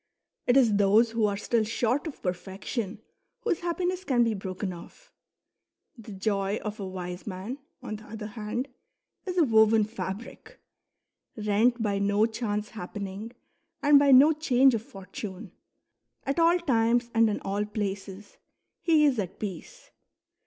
It is those who are still short of per fection whose happiness can be broken off; the joy of a wise man, on the other hand, is a woven fabric, rent by no chance happening and by no change of fortune ; at all times and in all places he is at peace.